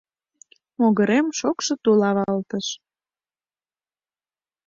Могыремым шокшо тул авалтыш...